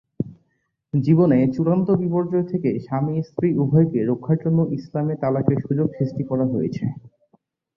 জীবনে চূড়ান্ত বিপর্যয় থেকে স্বামী স্ত্রী উভয়কে রক্ষার জন্য ইসলামে তালাকের সুযোগ সৃষ্টি করা হয়েছে।